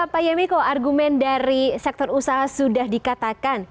pak yemiko argumen dari sektor usaha sudah dikatakan